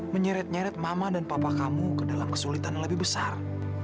menyeret nyeret mama dan papa kamu ke dalam kesulitan yang lebih besar